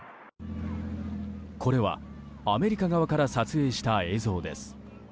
これはアメリカ側から撮影した映像です。